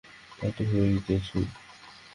তা তো হইতই।